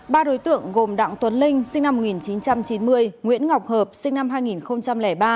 ba đối tượng gồm đặng tuấn linh sinh năm một nghìn chín trăm chín mươi nguyễn ngọc hợp sinh năm hai nghìn ba